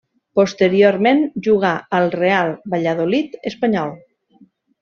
Posteriorment jugà al Real Valladolid espanyol.